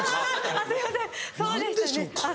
あぁすいませんそうでしたね。